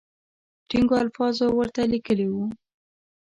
ټینګو الفاظو ورته لیکلي وو.